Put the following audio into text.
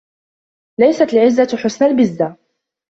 لَيْسَتْ الْعِزَّةُ حُسْنَ الْبِزَّةِ